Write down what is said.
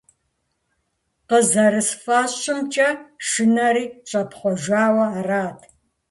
КъызэрысфӀэщӀымкӀэ, шынэри щӀэпхъуэжауэ арат.